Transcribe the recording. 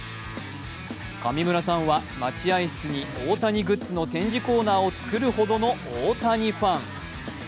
上村さんは待合室に大谷グッズの展示コーナーを作るほどの大谷ファン。